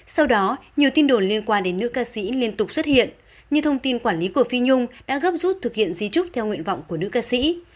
sau đó nhiều tin đồn liên quan đến nữ ca sĩ liên tục xuất hiện như thông tin quản lý của phi nhung đã gấp rút thực hiện di trúc theo nguyện vọng của nữ ca sĩ